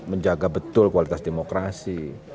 menjaga betul kualitas demokrasi